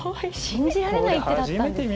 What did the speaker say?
信じられない一手だったんです。